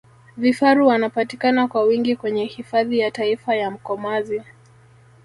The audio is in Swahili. vifaru wanapatikana kwa wingi kwenye hifadhi ya taifa ya mkomazi